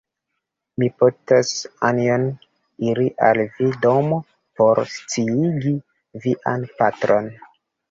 Mi petos Anjon iri al via domo por sciigi vian patron.